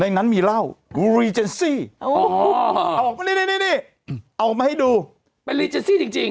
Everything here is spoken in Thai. ในนั้นมีเหล้าอ๋อนี่นี่นี่เอาออกมาให้ดูเป็นจริงจริง